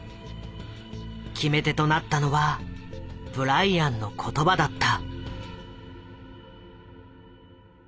決め手となったのはブライアンの言葉だった。